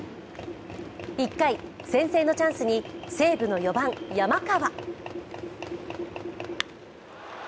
１回、先制のチャンスに西武の４番・山川。